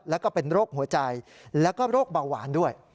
แล้วก็เป็นโรคหัวใจแล้วก็โรคเบาหวานด้วย